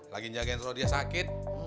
lagi jagain terus dia sakit